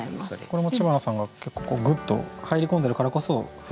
これも知花さんが結構グッと入り込んでるからこそ「降ってくる」。